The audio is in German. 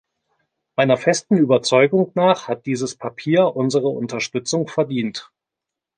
Meiner festen Überzeugung nach hat dieses Papier unsere Unterstützung verdient.